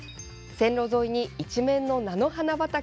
線路沿いに一面の菜の花畑。